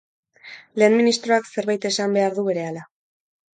Lehen ministroak zerbait esan behar du berehala.